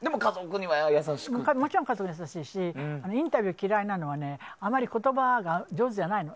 あと、もちろん家族には優しいしインタビューが嫌いなのはあまり言葉がうまくないの。